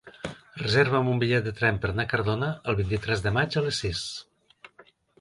Reserva'm un bitllet de tren per anar a Cardona el vint-i-tres de maig a les sis.